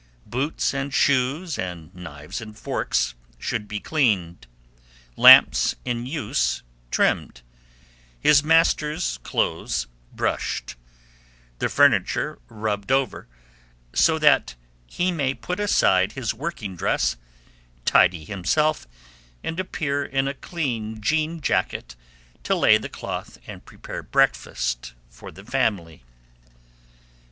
Boots and shoes, and knives and forks, should be cleaned, lamps in use trimmed, his master's clothes brushed, the furniture rubbed over; so that he may put aside his working dress, tidy himself, and appear in a clean jean jacket to lay the cloth and prepare breakfast for the family.